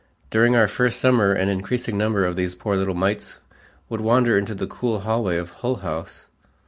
During our first summer an increasing number of these poor little mites would wander into the cool hallway of Hull House.